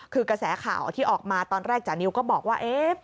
คือกระแสข่าวที่ออกมาตอนแรกจานิวก็บอกว่า